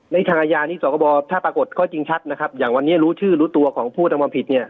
ในทางอาญานี้สคบถ้าปรากฏข้อจริงชัดนะครับอย่างวันนี้รู้ชื่อรู้ตัวของผู้ทำความผิดเนี่ย